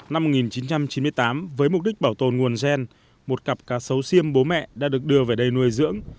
năm một nghìn chín trăm chín mươi tám với mục đích bảo tồn nguồn gen một cặp cá sấu siêm bố mẹ đã được đưa về đây nuôi dưỡng